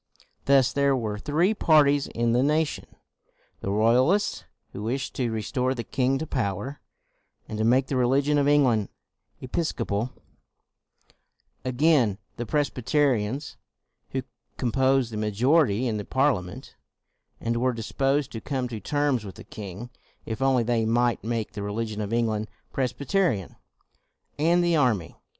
Thus there were three parties in the nation: the Royalists, who wished to re store the king to power, and to make the religion of England Episcopal again; the Presbyterians, who composed the majority in the Parliament, and were disposed to come to terms with the king, if only they might make the religion of England Pres byterian; and the army.